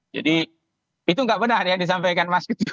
jadi itu enggak benar yang disampaikan mas gitu